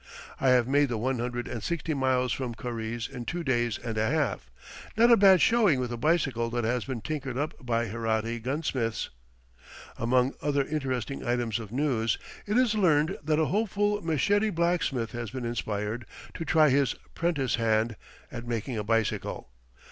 I have made the one hundred and sixty miles from Karize in two days and a half not a bad showing with a bicycle that has been tinkered up by Herati gunsmiths. Among other interesting items of news, it is learned that a hopeful Meshedi blacksmith has been inspired to try his "prentice hand" at making a bicycle.